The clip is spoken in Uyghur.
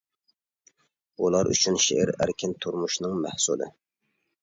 ئۇلار ئۈچۈن شېئىر ئەركىن تۇرمۇشنىڭ مەھسۇلى.